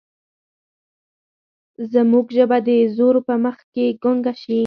زموږ ژبه د زور په مخ کې ګونګه شي.